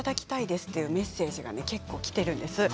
こういうメッセージが結構きているんです。